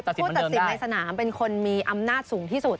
ผู้ตัดสินในสนามเป็นคนมีอำนาจสูงที่สุด